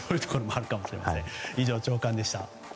以上、朝刊でした。